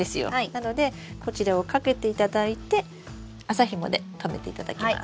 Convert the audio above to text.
なのでこちらをかけていただいて麻ひもで留めていただきます。